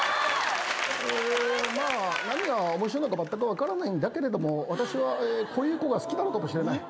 まあ何が面白いのかまったく分からないんだけれども私はこういう子が好きなのかもしれない。